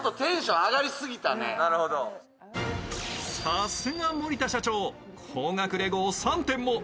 さすが森田社長、高額レゴを３点も。